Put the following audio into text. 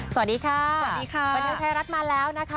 สวัสดีค่ะสวัสดีค่ะสวัสดีค่ะบริเวณไทยรัฐมาแล้วนะคะ